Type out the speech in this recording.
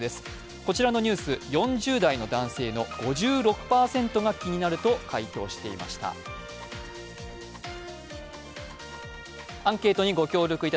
こちらのニュース、４０代の男性の５６％が気になると回答していました。